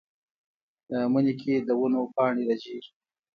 مني کې د ونو پاڼې رژېږي